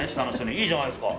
いいじゃないですか。